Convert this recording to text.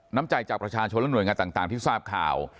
น้ำใจจากประชาชนและหน่วยงานต่างที่ทราบข่าว